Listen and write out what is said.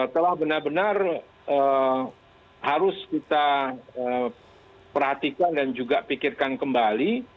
telah benar benar harus kita perhatikan dan juga pikirkan kembali